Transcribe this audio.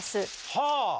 はあ！